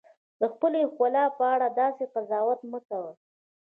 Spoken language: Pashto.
د خپلې ښکلا په اړه داسې قضاوت مه کوئ.